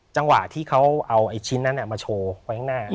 จังหวะที่เขาเอาไอชิ้นนั้นล่ะมาโชว์แว้งหน้า